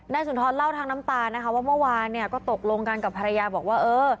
สุนทรเล่าทางน้ำตานะคะว่าเมื่อวานเนี่ยก็ตกลงกันกับภรรยาบอกว่าเออ